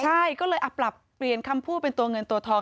ใช่ก็เลยปรับเปลี่ยนคำพูดเป็นตัวเงินตัวทอง